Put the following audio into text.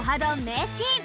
名シーン。